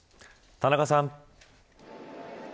田中さん。